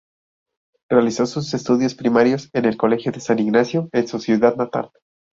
Realizó sus estudios primarios en el Colegio San Ignacio, en su ciudad natal.